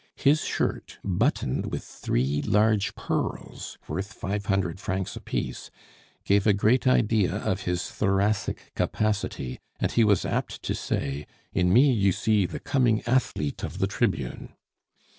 His shirt, buttoned with three large pearls worth five hundred francs apiece, gave a great idea of his thoracic capacity, and he was apt to say, "In me you see the coming athlete of the tribune!"